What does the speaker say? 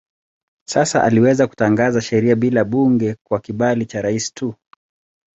Sasa aliweza kutangaza sheria bila bunge kwa kibali cha rais tu.